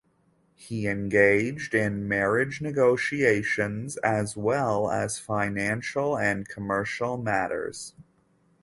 He engaged in marriage negotiations as well as financial and commercial matters.